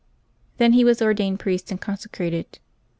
Then he was ordained priest and consecrated.